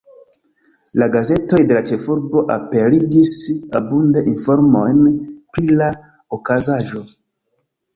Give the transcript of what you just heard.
La gazetoj de la ĉefurbo aperigis abunde informojn pri la okazaĵo.